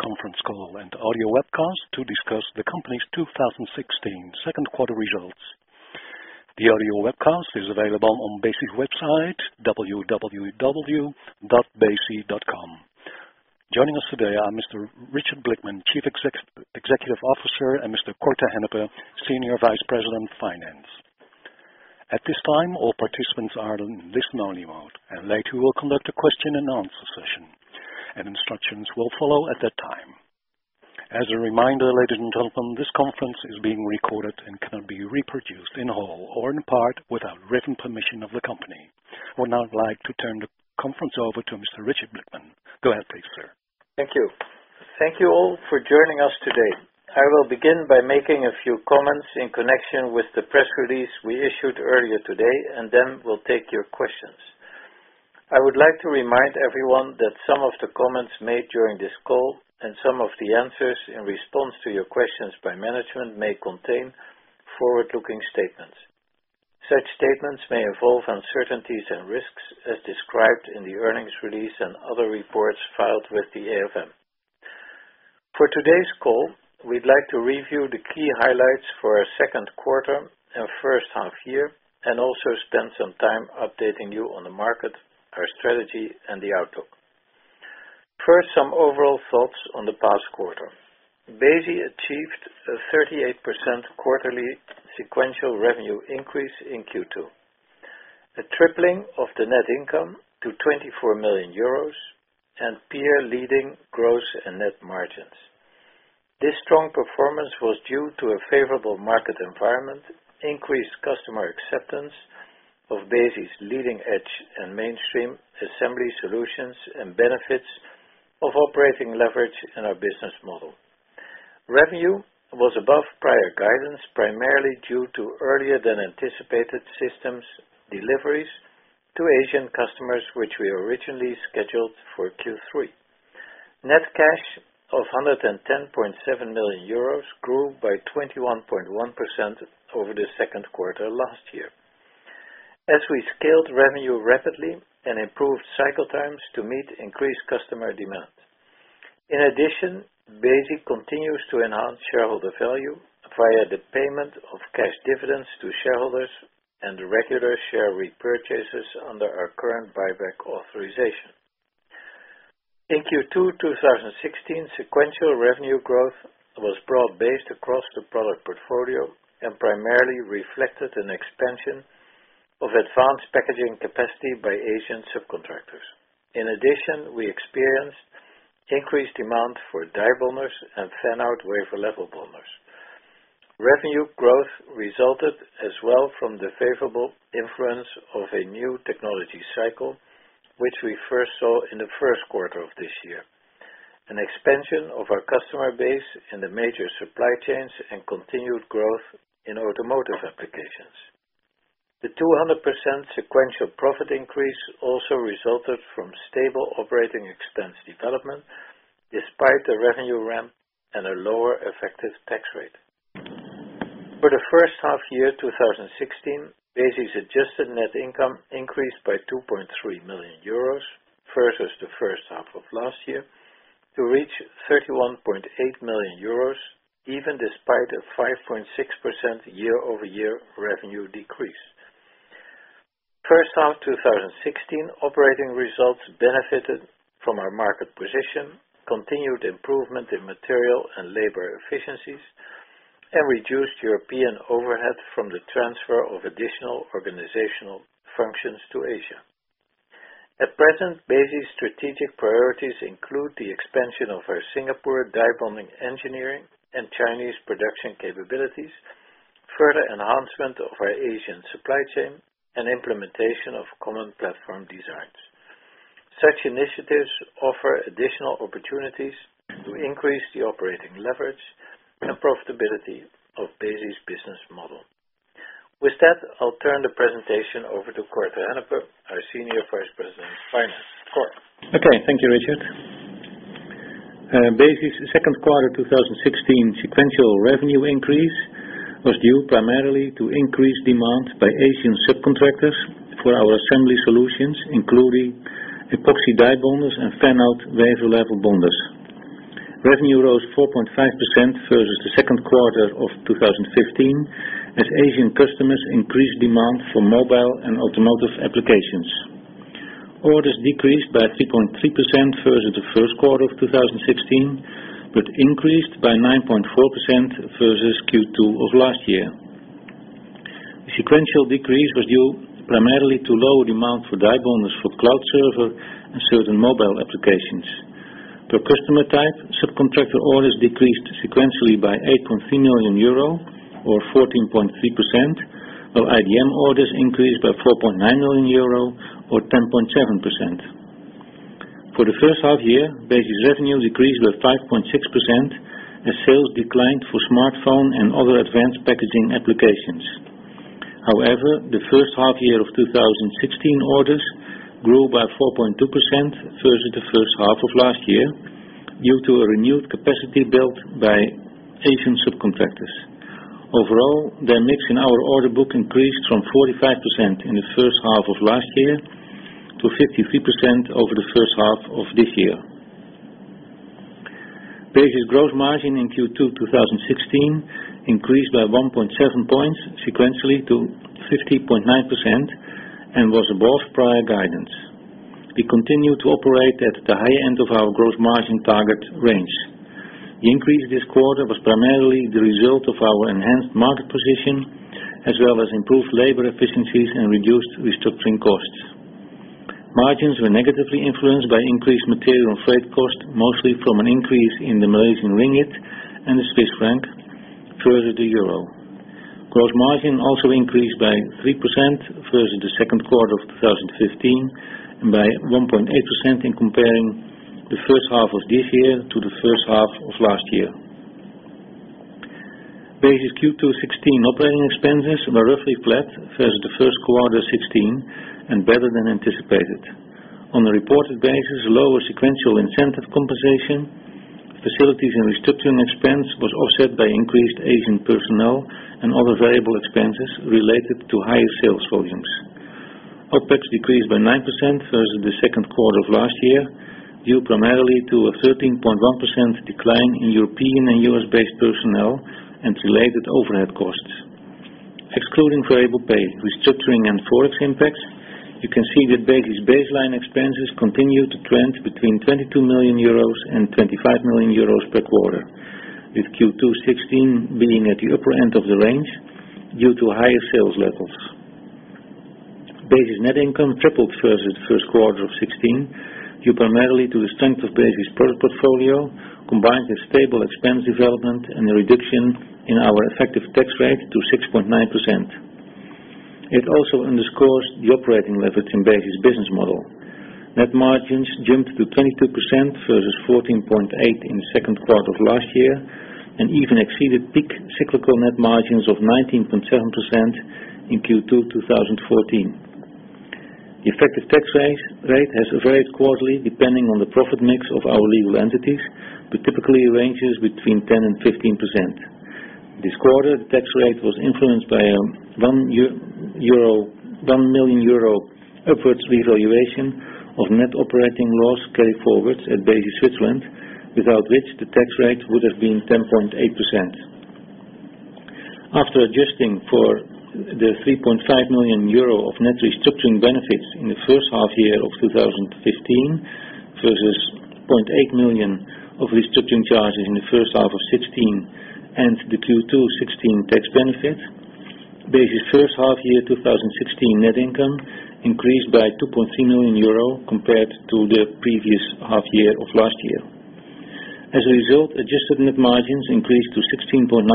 Good morning, good afternoon, ladies and gentlemen, welcome to BE Semiconductor's quarterly conference call and audio webcast to discuss the company's 2016 second quarter results. The audio webcast is available on Besi website, www.Besi.com. Joining us today are Mr. Richard Blickman, Chief Executive Officer, and Mr. Cor te Hennepe, Senior Vice President of Finance. At this time, all participants are in listen-only mode, later we'll conduct a question and answer session, instructions will follow at that time. As a reminder, ladies and gentlemen, this conference is being recorded and cannot be reproduced in whole or in part without written permission of the company. I would now like to turn the conference over to Mr. Richard Blickman. Go ahead, please, sir. Thank you. Thank you all for joining us today. I will begin by making a few comments in connection with the press release we issued earlier today, then we'll take your questions. I would like to remind everyone that some of the comments made during this call, some of the answers in response to your questions by management, may contain forward-looking statements. Such statements may involve uncertainties and risks as described in the earnings release and other reports filed with the AFM. For today's call, we'd like to review the key highlights for our second quarter and first half year, also spend some time updating you on the market, our strategy, and the outlook. First, some overall thoughts on the past quarter. Besi achieved a 38% quarterly sequential revenue increase in Q2, a tripling of the net income to 24 million euros, and peer-leading gross and net margins. This strong performance was due to a favorable market environment, increased customer acceptance of Besi's leading-edge and mainstream assembly solutions, benefits of operating leverage in our business model. Revenue was above prior guidance, primarily due to earlier-than-anticipated systems deliveries to Asian customers, which we originally scheduled for Q3. Net cash of 110.7 million euros grew by 21.1% over the second quarter last year, as we scaled revenue rapidly and improved cycle times to meet increased customer demand. In addition, Besi continues to enhance shareholder value via the payment of cash dividends to shareholders and regular share repurchases under our current buyback authorization. In Q2 2016, sequential revenue growth was broad-based across the product portfolio, primarily reflected an expansion of advanced packaging capacity by Asian subcontractors. In addition, we experienced increased demand for die bonders and fan-out wafer level bonders. Revenue growth resulted as well from the favorable influence of a new technology cycle, which we first saw in the first quarter of this year, an expansion of our customer base in the major supply chains, continued growth in automotive applications. The 200% sequential profit increase also resulted from stable operating expense development, despite the revenue ramp, a lower effective tax rate. For the first half year 2016, Besi's adjusted net income increased by 2.3 million euros versus the first half of last year to reach 31.8 million euros, even despite a 5.6% year-over-year revenue decrease. First half 2016 operating results benefited from our market position, continued improvement in material and labor efficiencies, reduced European overhead from the transfer of additional organizational functions to Asia. At present, Besi's strategic priorities include the expansion of our Singapore die bonding engineering and Chinese production capabilities, further enhancement of our Asian supply chain, and implementation of common platform designs. Such initiatives offer additional opportunities to increase the operating leverage and profitability of Besi's business model. With that, I'll turn the presentation over to Cor te Hennepe, our Senior Vice President of Finance. Cor. Okay. Thank you, Richard. Besi's second quarter 2016 sequential revenue increase was due primarily to increased demand by Asian subcontractors for our assembly solutions, including epoxy die bonders and fan-out wafer level bonders. Revenue rose 4.5% versus the second quarter of 2015, as Asian customers increased demand for mobile and automotive applications. Orders decreased by 3.3% versus the first quarter of 2016, increased by 9.4% versus Q2 of last year. The sequential decrease was due primarily to lower demand for die bonders for cloud server and certain mobile applications. Per customer type, subcontractor orders decreased sequentially by 8.3 million euro or 14.3%, while IDM orders increased by 4.9 million euro or 10.7%. For the first half year, Besi's revenue decreased by 5.6% as sales declined for smartphone and other advanced packaging applications. The first half year of 2016 orders grew by 4.2% versus the first half of last year due to a renewed capacity built by Asian subcontractors. Overall, their mix in our order book increased from 45% in the first half of last year to 53% over the first half of this year. Besi's gross margin in Q2 2016 increased by 1.7 points sequentially to 50.9% and was above prior guidance. We continue to operate at the high end of our gross margin target range. The increase this quarter was primarily the result of our enhanced market position, as well as improved labor efficiencies and reduced restructuring costs. Margins were negatively influenced by increased material and freight cost, mostly from an increase in the Malaysian ringgit and the Swiss franc versus the euro. Gross margin also increased by 3% versus the second quarter of 2015, and by 1.8% in comparing the first half of this year to the first half of last year. Besi's Q2 '16 operating expenses were roughly flat versus the first quarter '16 and better than anticipated. On a reported basis, lower sequential incentive compensation, facilities and restructuring expense was offset by increased Asian personnel and other variable expenses related to higher sales volumes. OpEx decreased by 9% versus the second quarter of last year, due primarily to a 13.1% decline in European and U.S.-based personnel and related overhead costs. Excluding variable pay, restructuring, and Forex impacts, you can see that Besi's baseline expenses continue to trend between 22 million euros and 25 million euros per quarter, with Q2 '16 being at the upper end of the range due to higher sales levels. Besi's net income tripled versus the first quarter of 2016, due primarily to the strength of Besi's product portfolio, combined with stable expense development and a reduction in our effective tax rate to 6.9%. It also underscores the operating leverage in Besi's business model. Net margins jumped to 22% versus 14.8% in the second quarter of last year, and even exceeded peak cyclical net margins of 19.7% in Q2 2014. The effective tax rate has varied quarterly depending on the profit mix of our legal entities, but typically ranges between 10% and 15%. This quarter, the tax rate was influenced by a 1 million euro upwards revaluation of net operating loss carryforwards at Besi Switzerland, without which the tax rate would have been 10.8%. After adjusting for the 3.5 million euro of net restructuring benefits in the first half year of 2015 versus 0.8 million of restructuring charges in the first half of 2016 and the Q2 2016 tax benefit, Besi's first half year 2016 net income increased by 2.3 million euro compared to the previous half year of last year. As a result, adjusted net margins increased to 16.9%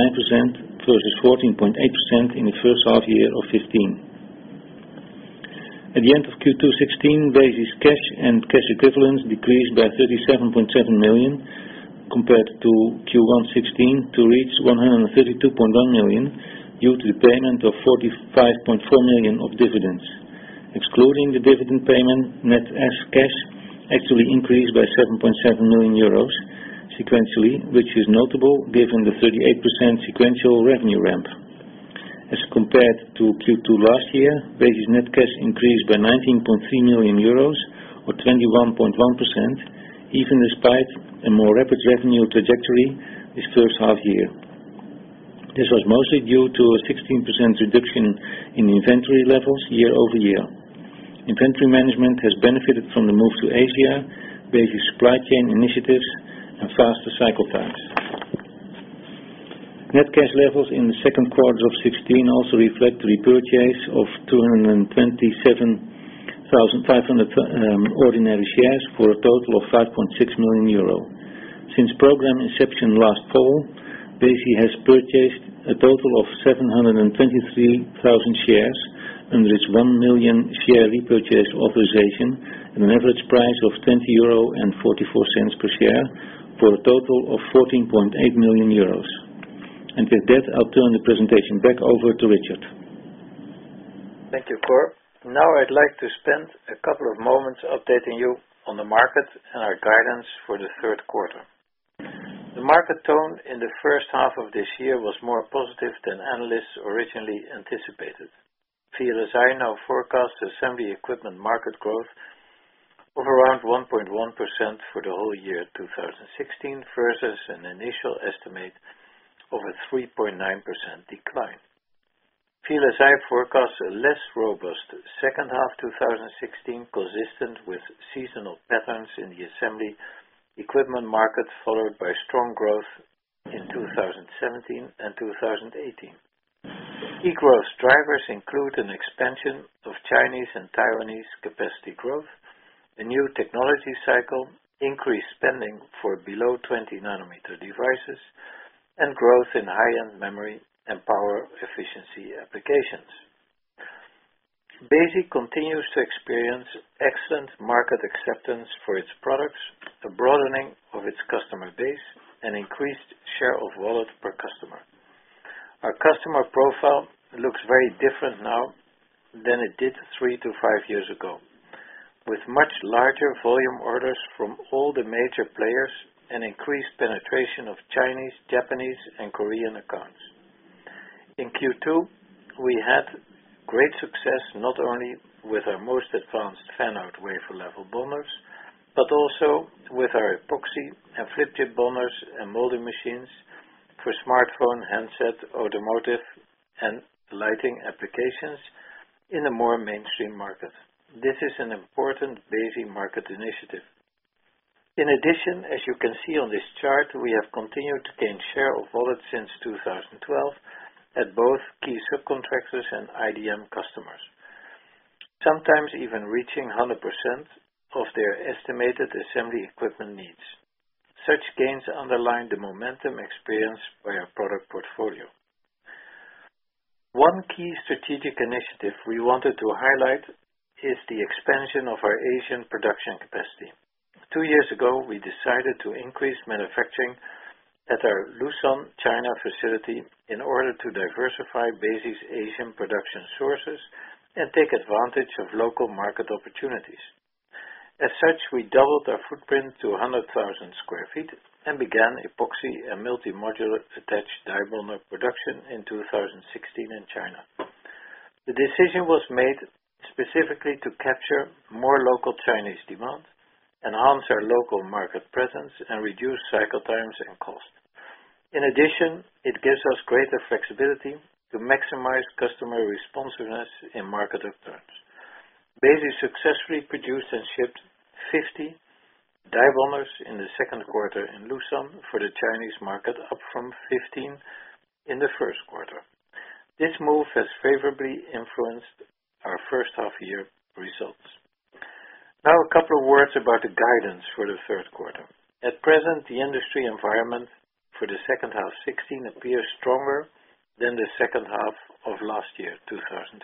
versus 14.8% in the first half year of 2015. At the end of Q2 2016, Besi's cash and cash equivalents decreased by 37.7 million compared to Q1 2016 to reach 132.1 million due to the payment of 45.4 million of dividends. Excluding the dividend payment, net cash actually increased by 7.7 million euros sequentially, which is notable given the 38% sequential revenue ramp. As compared to Q2 last year, Besi's net cash increased by 19.3 million euros or 21.1%, even despite a more rapid revenue trajectory this first half year. This was mostly due to a 16% reduction in inventory levels year-over-year. Inventory management has benefited from the move to Asia, basic supply chain initiatives, and faster cycle times. Net cash levels in the second quarter of 2016 also reflect the repurchase of 227,500 ordinary shares for a total of 5.6 million euro. Since program inception last fall, Besi has purchased a total of 723,000 shares under its 1 million share repurchase authorization at an average price of 20.44 euro per share, for a total of 14.8 million euros. With that, I'll turn the presentation back over to Richard. Thank you, Cor. I'd like to spend a couple of moments updating you on the market and our guidance for the third quarter. The market tone in the first half of this year was more positive than analysts originally anticipated. VLSI Research now forecast assembly equipment market growth of around 1.1% for the whole year 2016, versus an initial estimate of a 3.9% decline. VLSI Research forecasts a less robust second half 2016, consistent with seasonal patterns in the assembly equipment market, followed by strong growth in 2017 and 2018. Key growth drivers include an expansion of Chinese and Taiwanese capacity growth, a new technology cycle, increased spending for below 20 nanometer devices, and growth in high-end memory and power efficiency applications. Besi continues to experience excellent market acceptance for its products, a broadening of its customer base, and increased share of wallet per customer. Our customer profile looks very different now than it did three to five years ago, with much larger volume orders from all the major players and increased penetration of Chinese, Japanese, and Korean accounts. In Q2, we had great success not only with our most advanced fan-out wafer level bonders, but also with our epoxy and flip chip bonders and molding machines for smartphone, handset, automotive, and lighting applications in a more mainstream market. This is an important Besi market initiative. In addition, as you can see on this chart, we have continued to gain share of wallet since 2012 at both key subcontractors and IDM customers, sometimes even reaching 100% of their estimated assembly equipment needs. Such gains underline the momentum experienced by our product portfolio. One key strategic initiative we wanted to highlight is the expansion of our Asian production capacity. Two years ago, we decided to increase manufacturing at our Leshan, China facility in order to diversify Besi's Asian production sources and take advantage of local market opportunities. As such, we doubled our footprint to 100,000 sq ft and began epoxy and multi-module attach die bonder production in 2016 in China. The decision was made specifically to capture more local Chinese demand, enhance our local market presence, and reduce cycle times and cost. In addition, it gives us greater flexibility to maximize customer responsiveness in market upturns. Besi successfully produced and shipped 50 die bonders in the second quarter in Leshan for the Chinese market, up from 15 in the first quarter. This move has favorably influenced our first half-year results. Now a couple of words about the guidance for the third quarter. At present, the industry environment for the second half 2016 appears stronger than the second half of last year, 2015.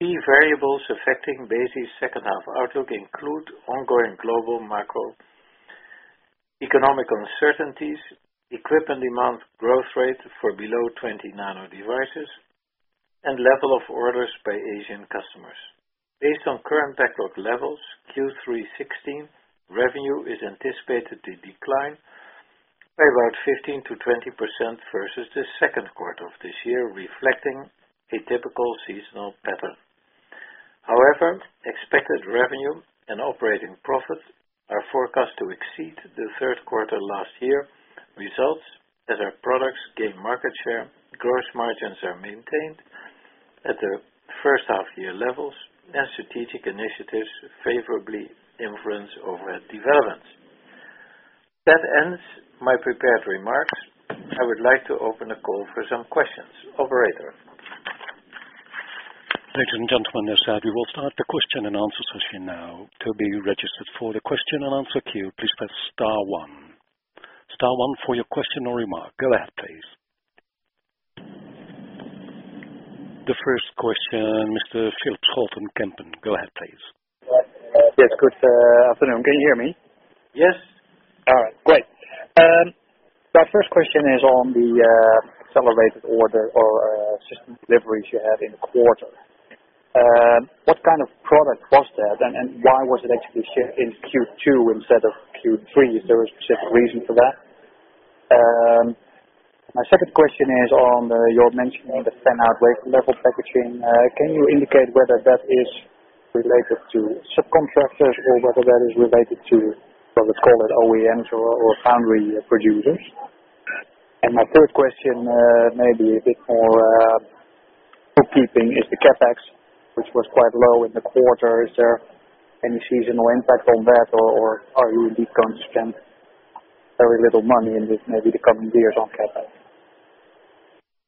Key variables affecting Besi's second half outlook include ongoing global macro-economic uncertainties, equipment demand growth rate for below 20nm devices, and level of orders by Asian customers. Based on current backlog levels, Q3 2016 revenue is anticipated to decline by about 15%-20% versus the second quarter of this year, reflecting a typical seasonal pattern. However, expected revenue and operating profits are forecast to exceed the third quarter last year results as our products gain market share, gross margins are maintained at their first half-year levels, and strategic initiatives favorably influence overhead developments. That ends my prepared remarks. I would like to open the call for some questions. Operator? Ladies and gentlemen, as said, we will start the question and answer session now. To be registered for the question and answer queue, please press star one. Star one for your question or remark. Go ahead, please. The first question, Mr. Phillips Hol from Kempen. Go ahead, please. Yes. Good afternoon. Can you hear me? Yes. All right. Great. My first question is on the accelerated order or system deliveries you had in the quarter. What kind of product was that and why was it actually shipped in Q2 instead of Q3? Is there a specific reason for that? My second question is on your mentioning of the fan-out wafer level packaging. Can you indicate whether that is related to subcontractors or whether that is related to what is called OEMs or foundry producers. My third question may be a bit more bookkeeping. Is the CapEx, which was quite low in the quarter, is there any seasonal impact on that, or are you going to spend very little money in maybe the coming years on CapEx?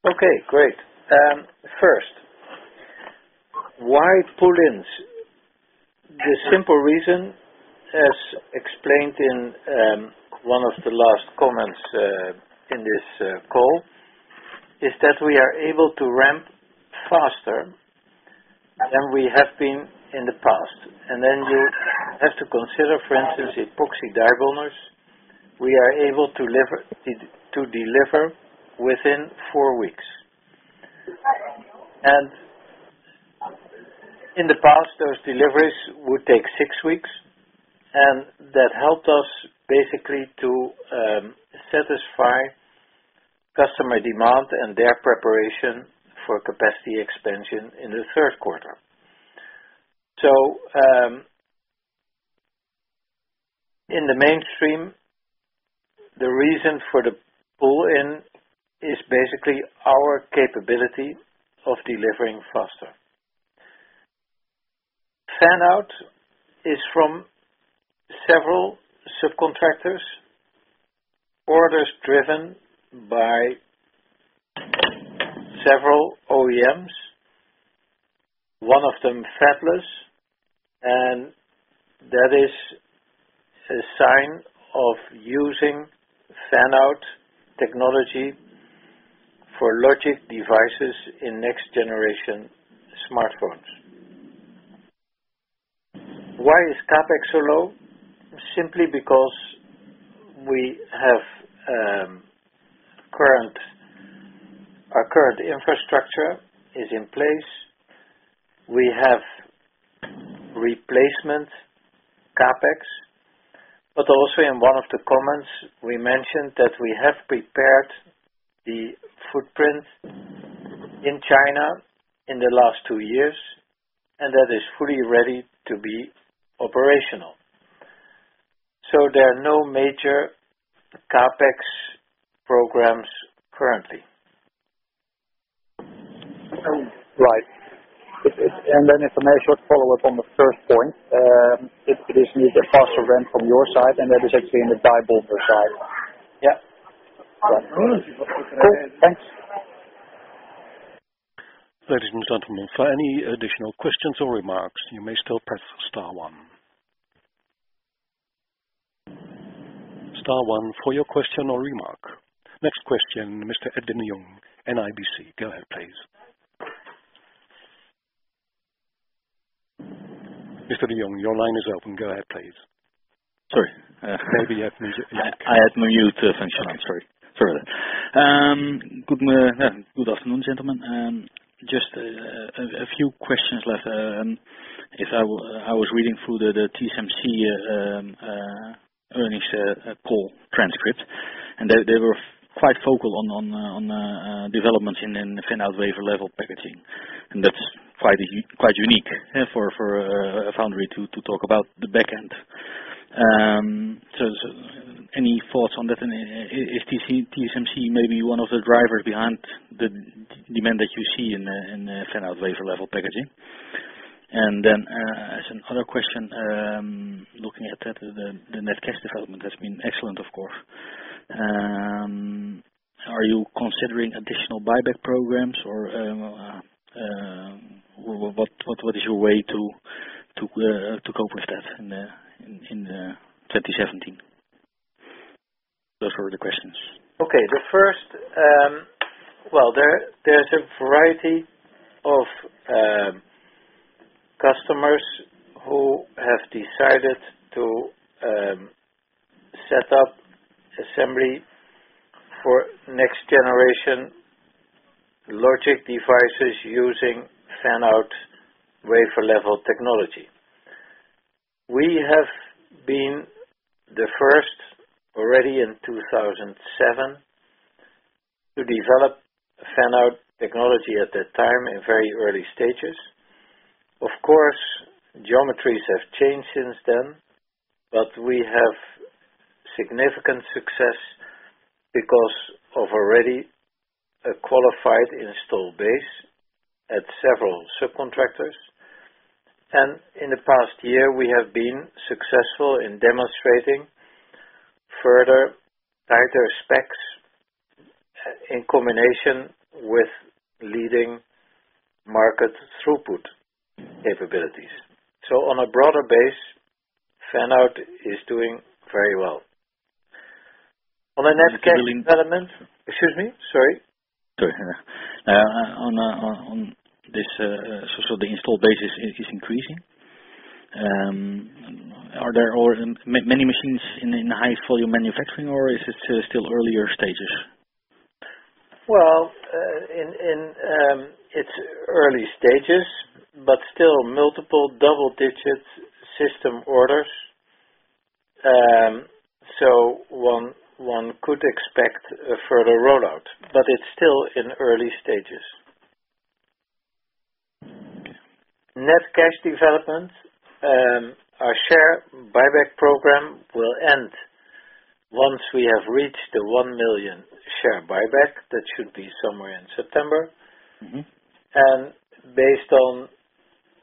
Okay, great. First, why pull-ins? The simple reason, as explained in one of the last comments in this call, is that we are able to ramp faster than we have been in the past. Then you have to consider, for instance, epoxy die bonders. We are able to deliver within four weeks. In the past, those deliveries would take six weeks, and that helped us basically to satisfy customer demand and their preparation for capacity expansion in the third quarter. In the mainstream, the reason for the pull-in is basically our capability of delivering faster. Fan-out is from several subcontractors, orders driven by several OEMs, one of them fabless, and that is a sign of using fan-out technology for logic devices in next-generation smartphones. Why is CapEx so low? Simply because our current infrastructure is in place. We have replacement CapEx. Also, in one of the comments, we mentioned that we have prepared the footprint in China in the last two years, and that is fully ready to be operational. There are no major CapEx programs currently. Right. Then if I may short follow-up on the first point, it is a faster ramp from your side, and that is actually in the die bonder side. Yeah. Great. Thanks. Ladies and gentlemen, for any additional questions or remarks, you may still press star one. Star one for your question or remark. Next question, Mr. Edwin de Jong, NIBC. Go ahead, please. Mr. de Jong, your line is open. Go ahead, please. Sorry. Maybe you have muted yourself. I had my mute function on. Sorry. Good afternoon, gentlemen. Just a few questions left. I was reading through the TSMC earnings call transcript. They were quite vocal on developments in fan-out wafer level packaging, and that's quite unique for a foundry to talk about the back end. Any thoughts on that? Is TSMC maybe one of the drivers behind the demand that you see in fan-out wafer level packaging? As another question, looking at the net cash development has been excellent, of course. Are you considering additional buyback programs, or what is your way to cope with that in 2017? Those were the questions. Okay. The first, well, there's a variety of customers who have decided to set up assembly for next-generation logic devices using fan-out wafer level packaging. We have been the first, already in 2007, to develop fan-out wafer level packaging at that time in very early stages. Of course, geometries have changed since then, but we have significant success because of already a qualified installed base at several subcontractors. In the past year, we have been successful in demonstrating further tighter specs in combination with leading market throughput capabilities. On a broader base, fan-out is doing very well. On a net cash development. Excuse me. Sorry. Sorry. The install base is increasing. Are there many machines in high-volume manufacturing, or is it still earlier stages? Well, in its early stages, but still multiple double-digit system orders. One could expect a further rollout, but it's still in early stages. Net cash development. Our share buyback program will end once we have reached the 1 million share buyback. That should be somewhere in September. Based on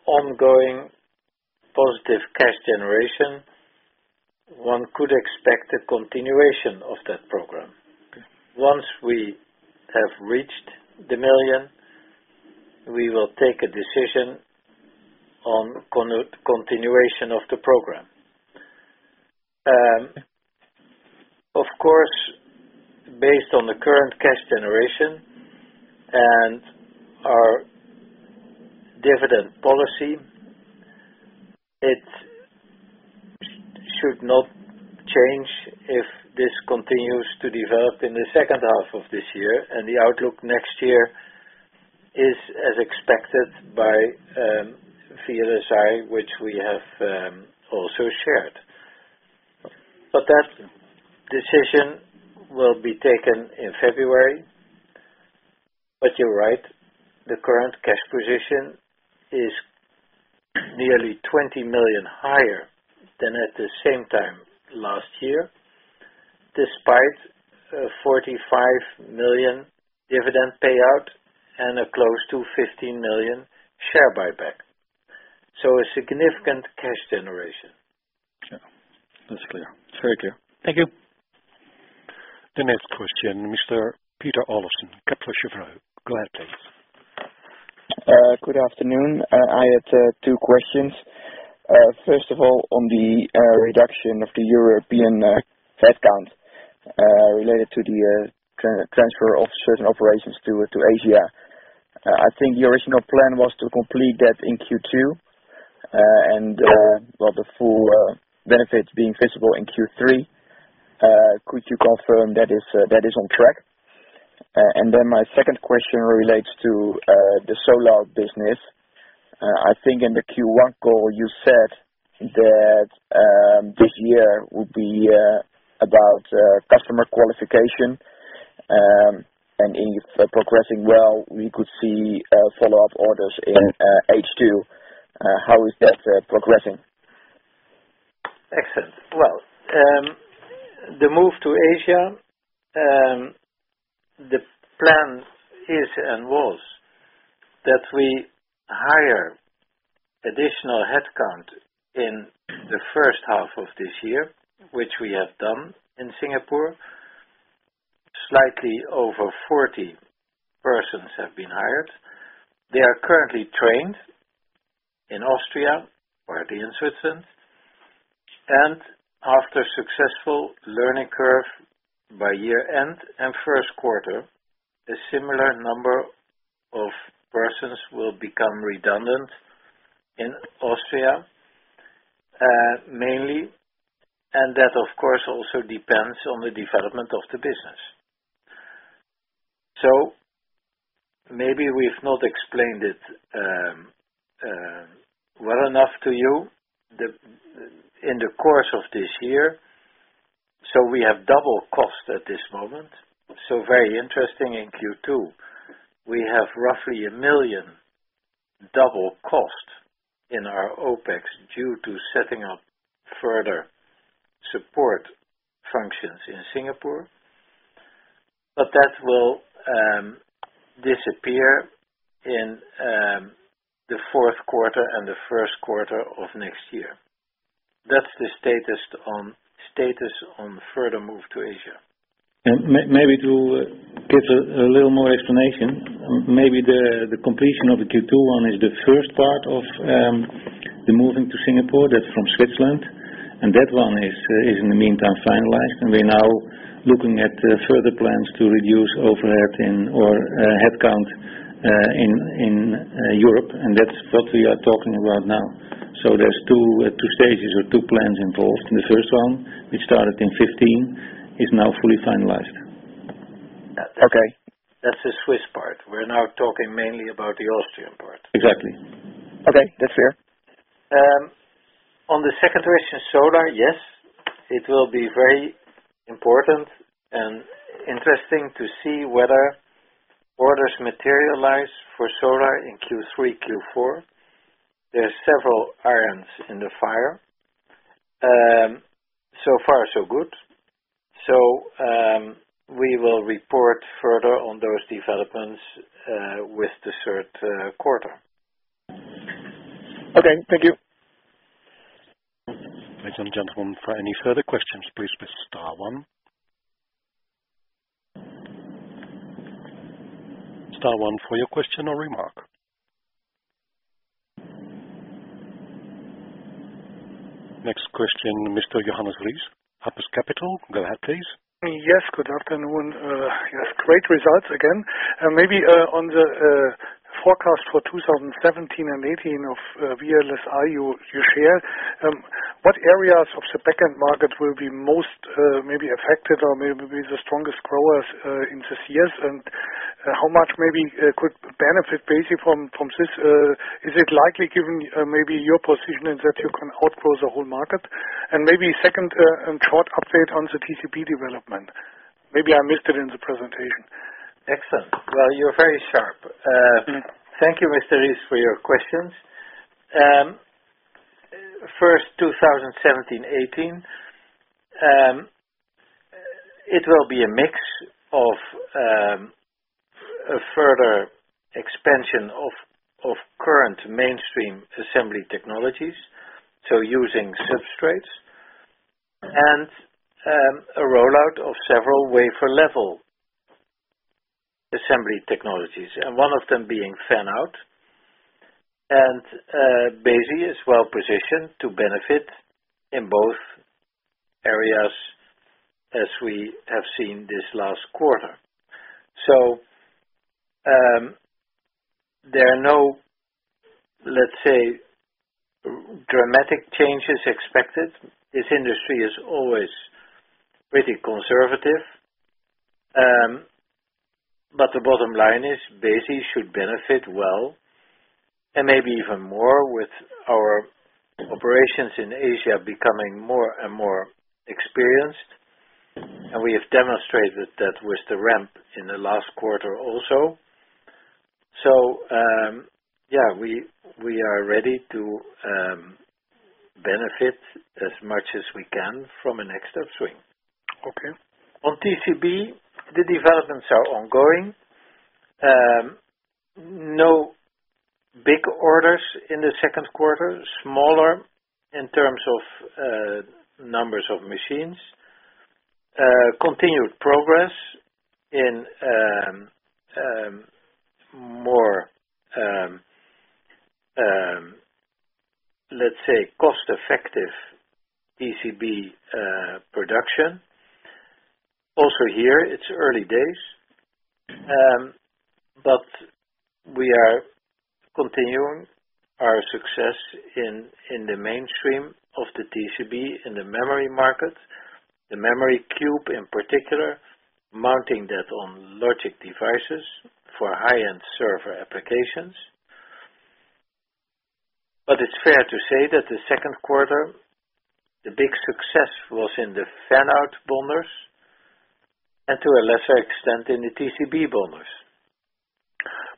ongoing positive cash generation, one could expect a continuation of that program. Okay. Once we have reached the million, we will take a decision on continuation of the program. Based on the current cash generation and our dividend policy, it should not change if this continues to develop in the second half of this year, and the outlook next year is as expected by VLSI, which we have also shared. That decision will be taken in February. You're right, the current cash position is nearly 20 million higher than at the same time last year, despite a 45 million dividend payout and a close to 15 million share buyback. A significant cash generation. Yeah. That's clear. It's very clear. Thank you. The next question, Mr. Peter Olofsen, Kepler Cheuvreux. Go ahead, please. Good afternoon. I had two questions. First of all, on the reduction of the European headcount related to the transfer of certain operations to Asia. I think the original plan was to complete that in Q2, and the full benefits being visible in Q3. Could you confirm that is on track? My second question relates to the solar business. I think in the Q1 call, you said that this year would be about customer qualification, and if progressing well, we could see follow-up orders in H2. How is that progressing? Excellent. The move to Asia, the plan is and was that we hire additional headcount in the first half of this year, which we have done in Singapore. Slightly over 40 persons have been hired. They are currently trained in Austria, partly in Switzerland, and after successful learning curve by year-end and first quarter, a similar number of persons will become redundant in Austria, mainly, and that, of course, also depends on the development of the business. Maybe we've not explained it well enough to you in the course of this year, so we have double cost at this moment. Very interesting in Q2, we have roughly 1 million double cost in our OpEx due to setting up further support functions in Singapore. That will disappear in the fourth quarter and the first quarter of next year. That's the status on further move to Asia. Maybe to give a little more explanation, maybe the completion of the Q2 one is the first part of the moving to Singapore, that's from Switzerland. That one is in the meantime finalized, and we're now looking at further plans to reduce overhead or headcount in Europe, and that's what we are talking about now. There's 2 stages or two plans involved. The first one, which started in 2015, is now fully finalized. Okay. That's the Swiss part. We're now talking mainly about the Austrian part. Exactly. Okay. That's fair. The second question, solar, yes, it will be very important and interesting to see whether orders materialize for solar in Q3, Q4. There's several irons in the fire. So far so good. We will report further on those developments with the third quarter. Okay. Thank you. Ladies and gentlemen, for any further questions, please press star one. Star one for your question or remark. Next question, Mr. Johannes Ries, APUS Capital. Go ahead, please. Yes, good afternoon. Yes, great results again. Maybe on the forecast for 2017 and 2018 of VLSI you share, what areas of the backend market will be most maybe affected or maybe be the strongest growers in these years and How much maybe could benefit Besi from this? Is it likely, given maybe your position, is that you can outgrow the whole market? Maybe second, a short update on the TCB development. Maybe I missed it in the presentation. Excellent. Well, you're very sharp. Thank you, Mr. Ries, for your questions. First, 2017-2018. It will be a mix of a further expansion of current mainstream assembly technologies, so using substrates, and a rollout of several wafer level assembly technologies, and one of them being fan-out. Besi is well-positioned to benefit in both areas as we have seen this last quarter. There are no, let's say, dramatic changes expected. This industry is always pretty conservative. The bottom line is Besi should benefit well and maybe even more with our operations in Asia becoming more and more experienced. We have demonstrated that with the ramp in the last quarter also. Yeah, we are ready to benefit as much as we can from a next upswing. Okay. On TCB, the developments are ongoing. No big orders in the second quarter, smaller in terms of numbers of machines. Continued progress in more, let's say, cost-effective TCB production. Also here, it's early days, but we are continuing our success in the mainstream of the TCB in the memory market, the memory cube in particular, mounting that on logic devices for high-end server applications. It's fair to say that the second quarter, the big success was in the fan-out bonders and to a lesser extent in the TCB bonders.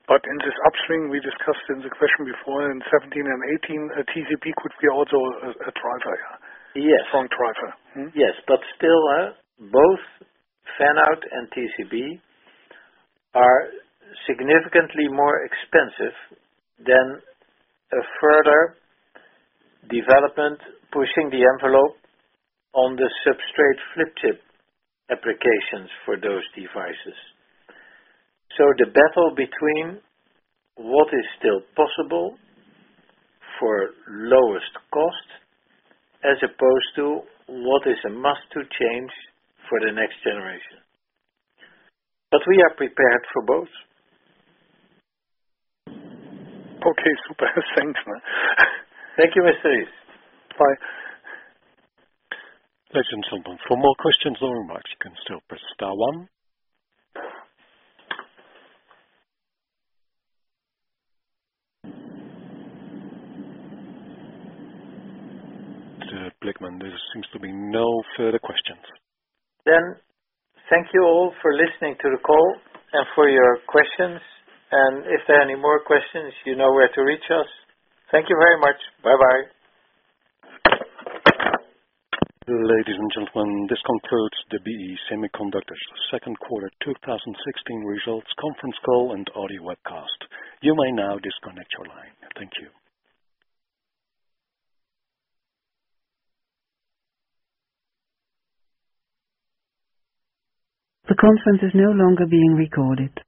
In this upswing we discussed in the question before in 2017 and 2018, TCB could be also a driver. Yes. Strong driver. Mm-hmm. Yes. Still, both fan-out and TCB are significantly more expensive than a further development pushing the envelope on the substrate flip-chip applications for those devices. The battle between what is still possible for lowest cost as opposed to what is a must to change for the next generation. We are prepared for both. Okay, super. Thanks. Thank you, Mr. Ries. Bye. Ladies and gentlemen, for more questions or remarks, you can still press star one. Mr. Blickman, there seems to be no further questions. Thank you all for listening to the call and for your questions. If there are any more questions, you know where to reach us. Thank you very much. Bye-bye. Ladies and gentlemen, this concludes the BE Semiconductor's second quarter 2016 results conference call and audio webcast. You may now disconnect your line. Thank you. The conference is no longer being recorded.